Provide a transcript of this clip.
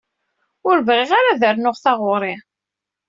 Ur bɣiɣ ara ad rnuɣ taɣuṛi.